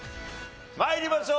参りましょう。